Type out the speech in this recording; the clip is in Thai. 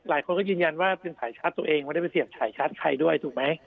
หลายคนก็ยืนยันว่าเป็นสายชาร์จตัวเองไม่ได้ไปเสี่ยงฉายชัดใครด้วยถูกไหม